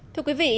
thưa quý vị